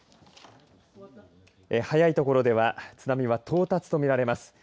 早い所では津波は到達とみられます。